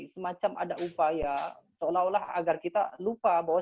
semacam ada upaya seolah olah agar kita lupa bahwa